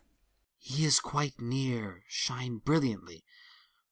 He is quite near: shine brilliantly!